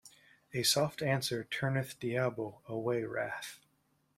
A soft answer turneth diabo away wrath.